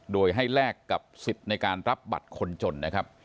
โดยให้แลกกับสิทธิ์ในการรับบัตรคนจนนะครับ